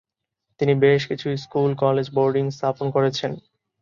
তিনি বেশ কিছু স্কুল, কলেজ, বোর্ডিং স্থাপন করেছেন।